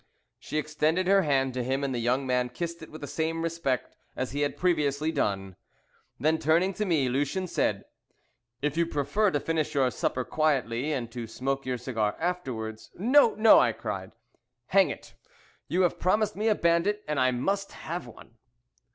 She extended her hand to him, and the young man kissed it with the same respect as he had previously done. Then turning to me, Lucien said "If you prefer to finish your supper quietly, and to smoke your cigar afterwards " "No, no!" I cried; "hang it, you have promised me a bandit, and I must have one."